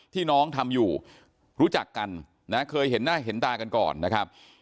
ที่น้องทำอยู่รู้จักกันนะเคยเห็นหน้าเห็นตากันก่อนนะครับ